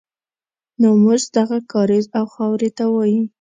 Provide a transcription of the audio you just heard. ناموس دغه کاریز او خاورې ته وایي.